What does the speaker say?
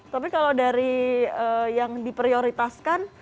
tapi kalau dari yang diprioritaskan